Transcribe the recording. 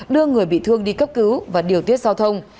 đưa người bị thương đi cấp cứu và điều tiết giao thông